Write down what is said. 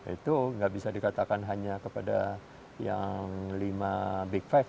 itu nggak bisa dikatakan hanya kepada yang lima big five